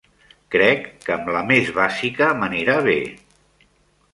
Crec que amb la més bàsica m'anirà bé.